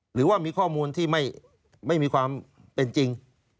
หรือว่ามีข้อมูลที่ไม่มีความเป็นจริง